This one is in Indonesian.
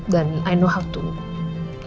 dan gue tahu bagaimana